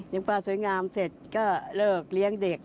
ปลาสวยงามเสร็จก็เลิกเลี้ยงเด็ก